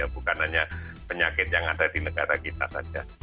bukan hanya penyakit yang ada di negara kita saja